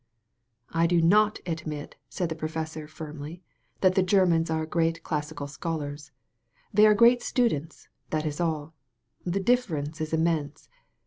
"I do n^ admit," said the professor firmly, "that the Grermans are great classical scholars. They are great students, that is all. The difference is immense.